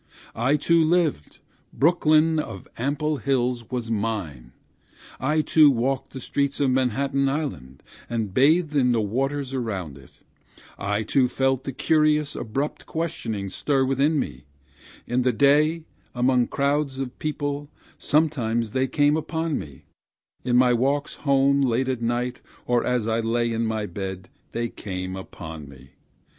I too lived Brooklyn, of ample hills, was mine; I too walked the streets of Manhattan Island, and bathed in the waters around it; I too felt the curious abrupt questionings stir within me; In the day, among crowds of people, sometimes they came upon me, In my walks home late at night, or as I lay in my bed, they came upon me.